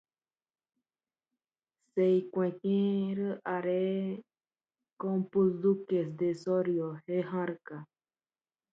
Se encuentra dentro del Campus Duques de Soria.